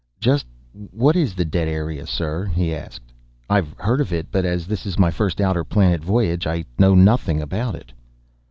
"Just what is this dead area, sir?" he asked. "I've heard of it, but as this is my first outer planet voyage, I know nothing about it."